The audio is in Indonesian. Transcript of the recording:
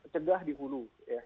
cegah di hulu